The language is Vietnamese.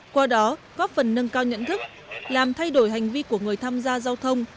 qua đó góp phần nâng cao nhận thức làm thay đổi hành vi của người tham gia giao thông